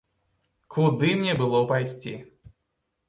Куды мне было пайсці?